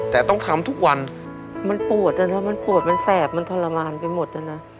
แต่ต้องทำทุกวันมันปวดอะนะมันปวดมันแสบมันทรมานไปหมดนะนะ